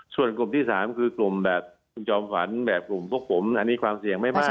ส่วนกลุ่มที่๓คือกลุ่มแบบคุณจอมขวัญแบบกลุ่มพวกผมอันนี้ความเสี่ยงไม่มาก